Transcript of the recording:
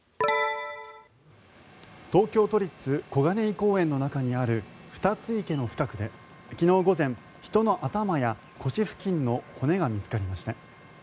東京都立小金井公園の中にあるふたつ池の近くで昨日午前、人の頭や腰付近の骨が見つかりました。